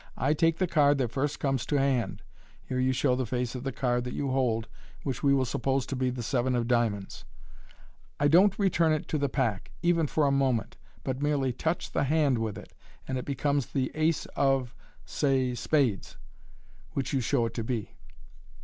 I take the card that first comes to hand " (here you show the face of the card that you hold, which we will suppose to be the seven of diamonds), •* I don't return it to the pack, even for a moment, but merely touch the hand with it, and it becomes the ace of (say) spades " (which you show it to be).